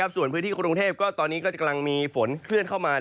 ส่วนพื้นที่กรุงเทพตอนนี้ก็กำลังมีฝนเคลื่อนเข้ามา